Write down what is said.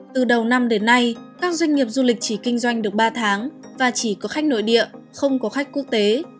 từ đầu năm đến nay các doanh nghiệp du lịch chỉ kinh doanh được ba tháng và chỉ có khách nội địa không có khách quốc tế